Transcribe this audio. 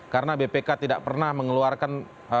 karena bpk tidak pernah mengeluarkan